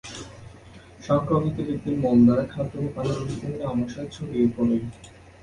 সংক্রমিত ব্যক্তির মল দ্বারা খাদ্য বা পানি দূষিত হলে আমাশয় ছড়িয়ে থাকে।